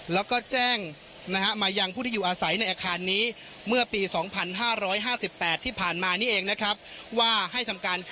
แล้วก็แจ้งนะฮะมายังผู้ที่อยู่อาศัยในอาคารนี้